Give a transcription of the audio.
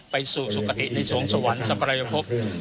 ไปสู่สุขติในสวงสวรรค์สัมปรายภพ